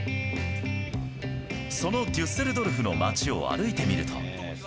そのデュッセルドルフの街を歩いてみると。